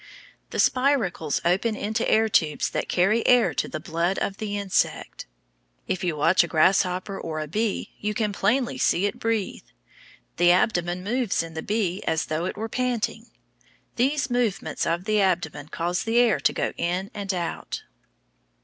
The spiracles open into air tubes that carry air to the blood of the insect. [Illustration: Spiracles] If you watch a grasshopper or a bee, you can plainly see it breathe. The abdomen moves in the bee as though it were panting. These movements of the abdomen cause the air to go in and out.